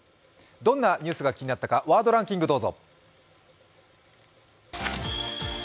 どんなニュースが気になったか、ワードランキング、どうぞ。